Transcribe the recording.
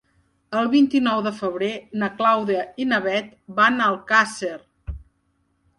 El vint-i-nou de febrer na Clàudia i na Bet van a Alcàsser.